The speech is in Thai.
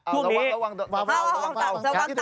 ระวังเตาระวังเตา